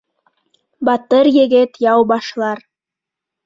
Батыр егет яу башлар